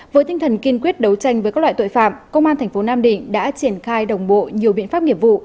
với tinh thần kiên quyết đấu tranh với các loại tội phạm công an thành phố nam định đã triển khai đồng bộ nhiều biện pháp nghiệp vụ